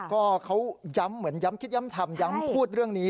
ก็เขาย้ำเหมือนย้ำคิดย้ำทำย้ำพูดเรื่องนี้